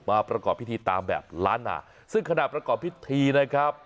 ประกอบพิธีตามแบบล้านนาซึ่งขณะประกอบพิธีนะครับ